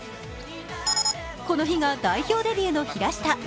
この日が代表デビューの平下。